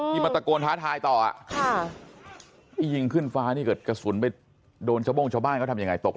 บีมะตะโกนท้าทายต่อ